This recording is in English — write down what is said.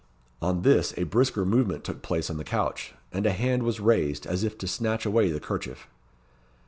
On this a brisker movement took place on the couch, and a hand was raised as if to snatch away the 'kerchief.